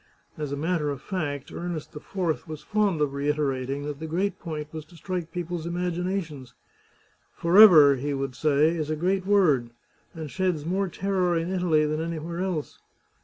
As a matter of fact, Ernest IV was fond of reiterating that the great point was to strike people's im aginations. " Forever," he would say, " is a great word, and sheds more terror in Italy than anywhere else."